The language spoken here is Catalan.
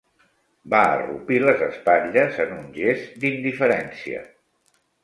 Va arrupir les espatlles en un gest d'indiferència.